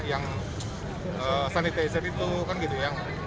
yang sanitizer itu kan gitu ya